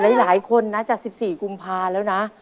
หลายคนนะจาก๑๔กุมภาแล้วนะ